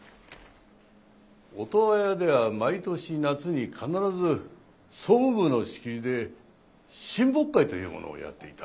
オトワヤでは毎年夏に必ず総務部の仕切りで親睦会というものをやっていた。